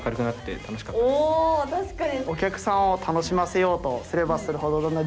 おお確かに。